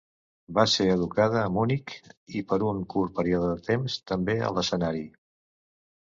Va ser educada a Munic i per un curt període de temps, també a l'escenari.